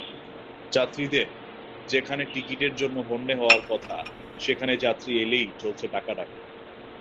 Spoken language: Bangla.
যাত্রীদের যেখানে টিকিটের জন্য হন্যে হওয়ার কথা, সেখানে যাত্রী এলেই চলছে ডাকাডাকি।